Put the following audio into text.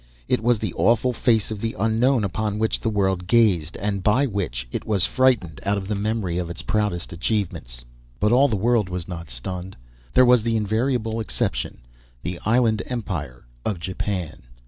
It was the awful face of the Unknown upon which the world gazed and by which it was frightened out of the memory of its proudest achievements. But all the world was not stunned. There was the invariable exception the Island Empire of Japan.